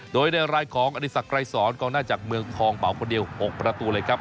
โดยในรายของอดีศักดรายสอนกองหน้าจากเมืองทองเหมาคนเดียว๖ประตูเลยครับ